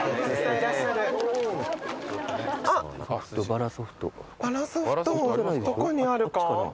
バラソフトどこにあるか？